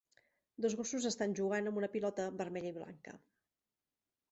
Dos gossos estan jugant amb una pilota vermella i blanca